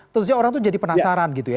tentunya orang itu jadi penasaran gitu ya